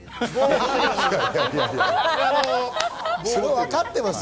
それはわかってますよ。